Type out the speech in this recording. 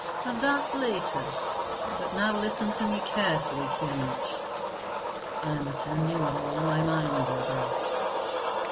"Of that later; but now listen to me carefully, Kyemlich." "I am attending with all my mind, your grace."